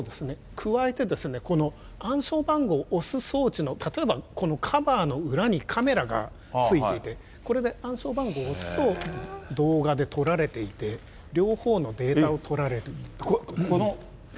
加えてですね、この暗証番号を押す装置の、例えば、このカバーの裏にカメラがついていて、これで暗証番号を押すと、動画で撮られていて、両方のデータを取られて。